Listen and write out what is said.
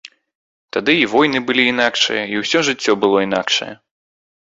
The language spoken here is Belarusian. Тады і войны былі інакшыя, і ўсё жыццё было інакшае.